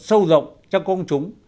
sâu rộng cho công chúng